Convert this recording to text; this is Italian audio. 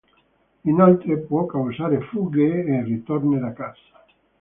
Inoltre può causare fughe e ritorni da casa.